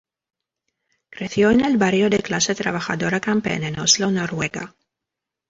Creció en el barrio de clase trabajadora Kampen en Oslo, Noruega.